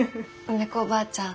梅子ばあちゃん